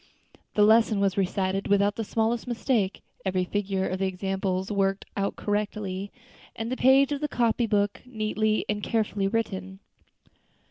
The lesson was recited without the smallest mistake, every figure of the examples worked out correctly, and the page of the copy book neatly and carefully written.